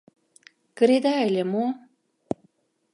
— Кыреда ыле мо?